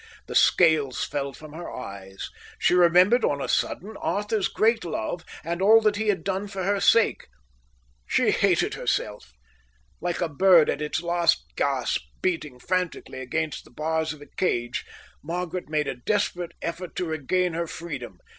The scales fell from her eyes. She remembered on a sudden Arthur's great love and all that he had done for her sake. She hated herself. Like a bird at its last gasp beating frantically against the bars of a cage, Margaret made a desperate effort to regain her freedom.